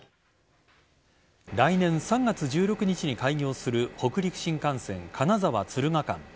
来年３月１６日に開業する北陸新幹線、金沢敦賀間。